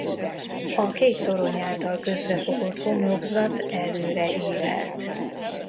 A két torony által közrefogott homlokzat előre ívelt.